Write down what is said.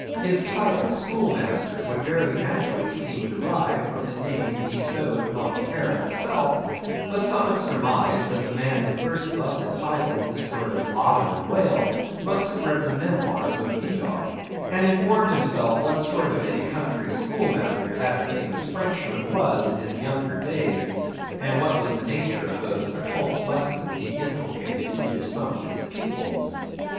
His title, schoolmaster, would very naturally seem derived from the name bestowed upon the harem itself, but some have surmised that the man who first thus entitled this sort of Ottoman whale, must have read the memoirs of Vidocq, and informed himself what sort of a country schoolmaster that famous Frenchman was in his younger days, and what was the nature of those occult lessons he inculcated into some of his pupils.